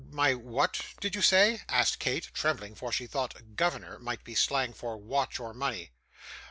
'My what did you say?' asked Kate, trembling; for she thought 'governor' might be slang for watch or money.